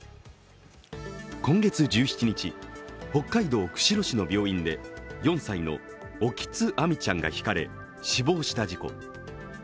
今月１７日、北海道釧路市の病院で４歳の沖津亜海ちゃんがひかれ、死亡した事故。